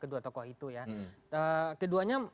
kedua tokoh itu ya keduanya